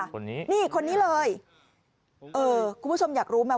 คนนี้นี่คนนี้เลยเออคุณผู้ชมอยากรู้ไหม